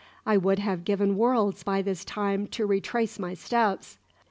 I would have given worlds by this time to retrace my steps.